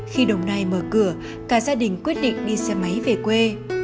khi đồng nai mở cửa cả gia đình quyết định đi xe máy về quê